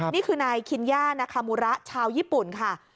นี่คือนายคิญญานาคามูระชาวญี่ปุ่นค่ะ